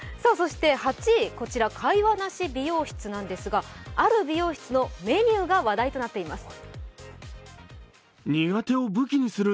そして８位、会話なし美容室何ですが、ある美容室のメニューが話題となっています。